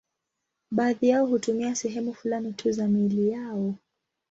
Baadhi yao hutumia sehemu fulani tu za miili yao.